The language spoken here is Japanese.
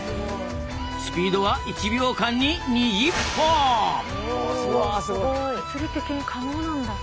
スピードは物理的に可能なんだ。